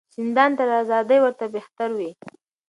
چي زندان تر آزادۍ ورته بهتر وي